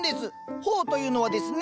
苞というのはですね。